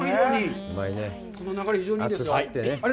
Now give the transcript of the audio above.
この流れ非常にいいんですが。